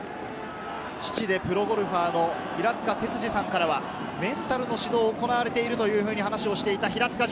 父でプロゴルファーの平塚哲二さんからはメンタルの指導も行われていると話をしていた平塚仁。